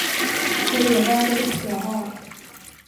Och Eva är det bästa jag har.